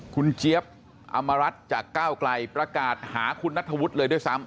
คุณเจี๊ยบอำมารัฐจากก้าวไกลประกาศหาคุณนัทธวุฒิเลยด้วยซ้ำ